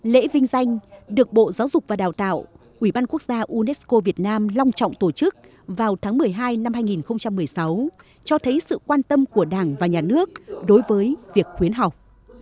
lễ vinh danh được bộ giáo dục và đào tạo ủy ban quốc gia unesco việt nam long trọng tổ chức vào tháng một mươi hai năm hai nghìn một mươi sáu cho thấy sự quan tâm của đảng và nhà nước đối với việc khuyến học